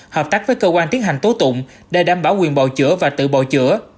hợp tác với cơ quan tiến hành tố tụng để đảm bảo quyền bầu chữa và tự bầu chữa